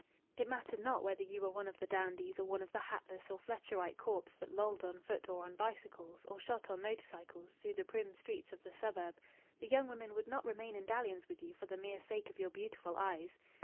It mattered not whether you were one of the dandies or one of the hatless or Fletcherite corps that lolled on foot or on bicycles, or shot on motor cycles, through the prim streets of the suburb the young women would not remain in dalliance with you for the mere sake of your beautiful eyes.